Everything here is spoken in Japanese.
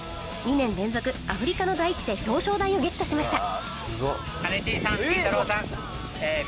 ２年連続アフリカの大地で表彰台をゲットしました